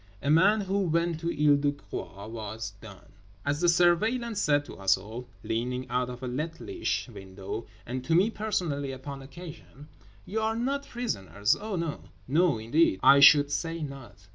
A man who went to Isle de Groix was done. As the Surveillant said to us all, leaning out of a littlish window, and to me personally upon occasion— "You are not prisoners. Oh, no. No indeed, I should say not.